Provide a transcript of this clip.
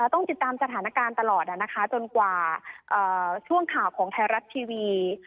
ต้องติดตามสถานการณ์ตลอดจนกว่าช่วงข่าวของไทยรัฐทีวี